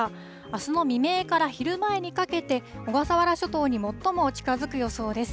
あすの未明から昼前にかけて、小笠原諸島に最も近づく予想です。